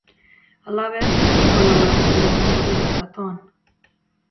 Halaber, bi kolaboratzaile egongo dira platoan.